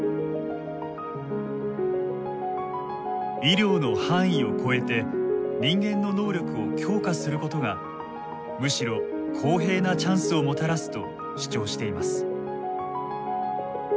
医療の範囲を超えて人間の能力を強化することがむしろ公平なチャンスをもたらすと主張しています。